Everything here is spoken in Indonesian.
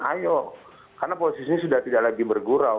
ayo karena posisi ini sudah tidak lagi bergurau